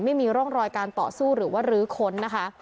ไม่มีร่องรอยการต่อสู้หรือว่ารื้อค้นนะคะ